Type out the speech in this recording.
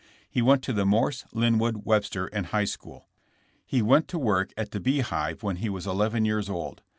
He went to the Morse, Linwood, Webster and High school. He went to work at the Bee Hive when he was eleven years old.